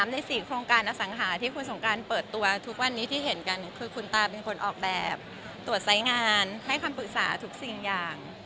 ใน๔โครงการอสังหาที่คุณสงการเปิดตัวทุกวันนี้ที่เห็นกันคือคุณตาเป็นคนออกแบบตรวจไซส์งานให้คำปรึกษาทุกสิ่งอย่าง